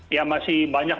ya masih banyak